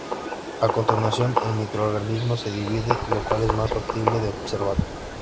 A continuación, el microorganismo se divide, lo cual es más factible de observar.